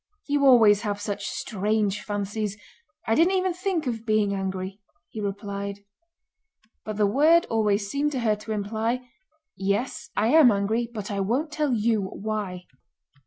"You always have such strange fancies! I didn't even think of being angry," he replied. But the word always seemed to her to imply: "Yes, I am angry but I won't tell you why."